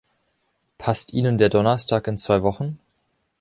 Passt Ihnen der Donnerstag in zwei Wochen?